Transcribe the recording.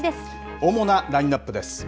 主なラインナップです。